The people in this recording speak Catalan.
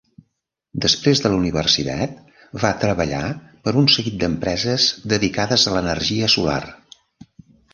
Després de la universitat, va treballar per un seguit d'empreses dedicades a l'energia solar.